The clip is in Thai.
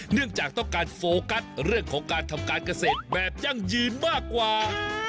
เนื่องจากต้องการโฟกัสเรื่องของการทำการเกษตรแบบยั่งยืนมากกว่า